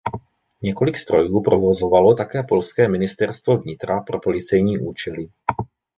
Několik strojů provozovalo také polské ministerstvo vnitra pro policejní účely.